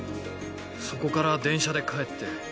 そこから電車で帰って。